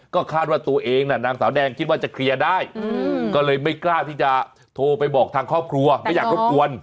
ก็คาดว่าตัวเองน่ะนางสาวแดงคิดว่าจะเคลียร์ได้ก็เลยไม่กล้าที่จะโทรไปบอกทางครอบครัวไม่อยากรบกวน